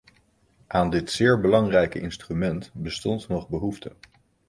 Aan dit zeer belangrijke instrument bestond nog behoefte.